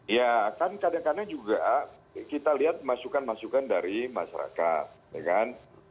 ya kan kadang kadang juga kita lihat masukan masukan dari masyarakat ya kan